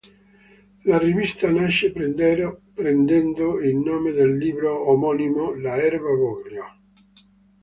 La rivista nasce prendendo il nome del libro omonimo "L’erba voglio.